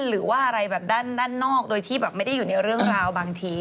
หรือว่าอะไรแบบด้านนอกโดยที่แบบไม่ได้อยู่ในเรื่องราวบางที